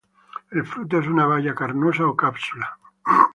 El fruto es una baya carnosa o cápsula.